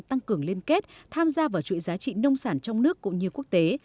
tăng cường liên kết tham gia vào chuỗi giá trị nông sản trong nước cũng như quốc tế